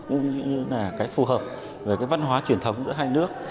những cái phù hợp về cái văn hóa truyền thống giữa hai nước